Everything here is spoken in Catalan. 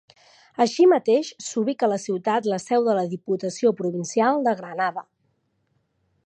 Així mateix, s'ubica a la ciutat la seu de la Diputació Provincial de Granada.